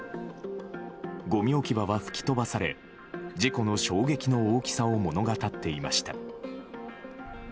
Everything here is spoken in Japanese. ゴミ置き場は吹き飛ばされ事故の衝撃の大きさを物語っていました。